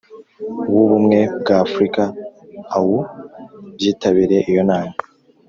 w'ubumwe bw'afurika (oua) byitabiriye iyo nama.